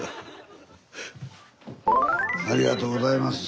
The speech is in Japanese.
ありがとうございます。